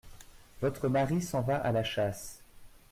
Votre mari s’en va à la chasse…